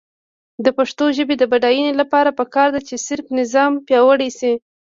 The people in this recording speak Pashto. د پښتو ژبې د بډاینې لپاره پکار ده چې صرفي نظام پیاوړی شي.